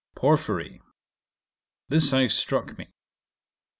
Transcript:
Porphyry. This house struck me.